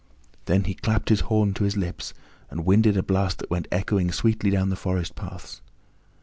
Then he clapped his horn to his lips and winded a blast that went echoing sweetly down the forest paths.